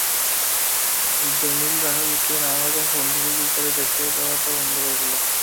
জামিল রাহেলাকে নানারকম ফন্দি ফিকির করে দেশে যাওয়াটাও বন্ধ করে দিল।